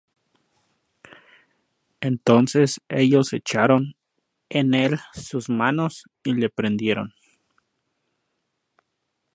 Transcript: Entonces ellos echaron en él sus manos, y le prendieron.